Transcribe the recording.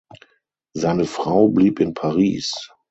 Seine Frau blieb in Paris.